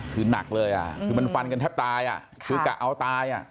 คือหนักเลยอ่ะคือมันฟันกันแทบตายอ่ะคือกะเอาตายอ่ะ